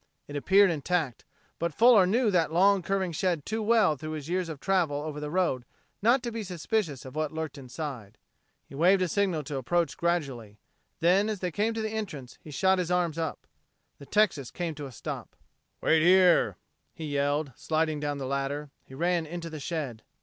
It appeared intact, but Fuller knew that long curving shed too well through his years of travel over the road not to be suspicious of what lurked inside. He waved a signal to approach gradually; then, as they came to the entrance, his arms shot up. The Texas came to a stop. "Wait here," he yelled, sliding down the ladder. He ran into the shed.